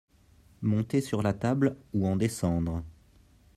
monter sur la table ou en descendre.